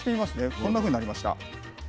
こんなふうになりました。